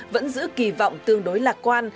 vẫn giữ kỳ vọng tương đối lạc quan